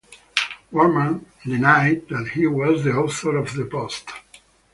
Warman denied that he was the author of the post.